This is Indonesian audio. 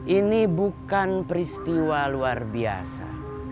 ini bukan peristiwa luar biasa